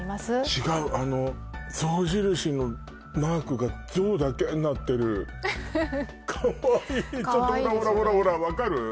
違うあの象印のマークがかわいいちょっとほらほらほらほら分かる？